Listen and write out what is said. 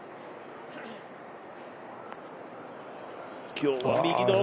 今日は右の奥。